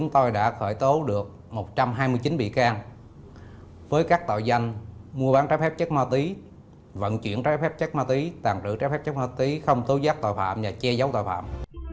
tôi đã khởi tố được một trăm hai mươi chín bị can với các tội danh mua bán trái phép chất ma túy vận chuyển trái phép chất ma túy tàn trữ trái phép chất ma túy không tố giác tội phạm và che giấu tội phạm